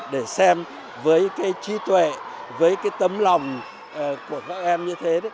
để xem với cái trí tuệ với cái tấm lòng của các em như thế